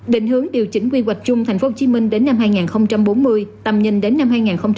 định hướng điều chỉnh quy hoạch chung tp hcm đến năm hai nghìn bốn mươi tầm nhìn đến năm hai nghìn năm mươi